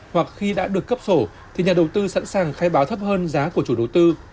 hoặc khi đã được cấp sổ thì nhà đầu tư sẵn sàng khai báo thấp hơn giá của chủ đầu tư